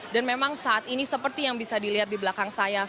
dan memang saat ini seperti yang bisa dilihat di belakang saya